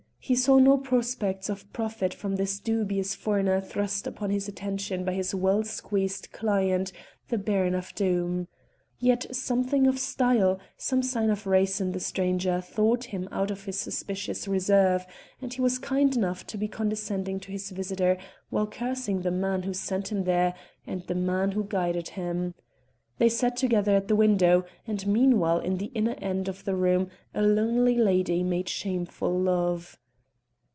He saw no prospects of profit from this dubious foreigner thrust upon his attention by his well squeezed client the Baron of Doom. Yet something of style, some sign of race in the stranger, thawed him out of his suspicious reserve, and he was kind enough to be condescending to his visitor while cursing the man who sent him there and the man who guided him. They sat together at the window, and meanwhile in the inner end of the room a lonely lady made shameful love.